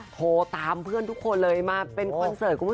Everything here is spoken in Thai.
โทรตามเพื่อนทุกคนเลยมาเป็นคอนเสิร์ต